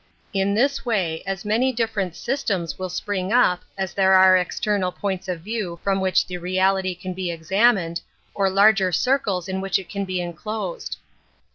In this way, as many different systems will spring up as there are external points of view from which the reality can be examined, or larger circles in which it can he enclosed.